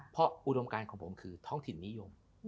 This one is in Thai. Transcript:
เพราะอุดมการของผมคือท้องถิ่นนิยม